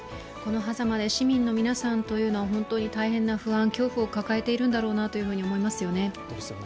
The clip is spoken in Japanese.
このはざまで市民の皆さんは本当に大変な不安、恐怖を抱えているんだろうなと思いますよね。